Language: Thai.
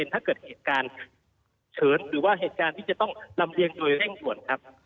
ถ้าเกิดเหตุการณ์เฉินหรือว่าเหตุการณ์ที่จะต้องลำเลียงโดยเร่งด่วนครับ